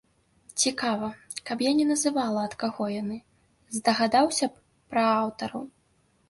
Цікава, каб я не называла, ад каго яны, здагадаўся б пра аўтараў?